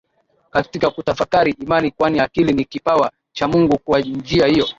katika kutafakari imani kwani akili ni kipawa cha Mungu Kwa njia hiyo